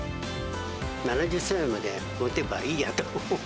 ７０歳までもてばいいやと。